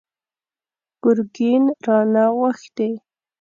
ګرګين رانه غوښتي!